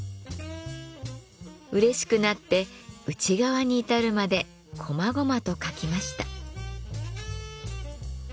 うれしくなって内側に至るまでこまごまと描きました。